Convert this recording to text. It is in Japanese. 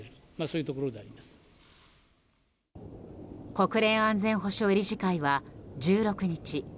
国連安全保障理事会は１６日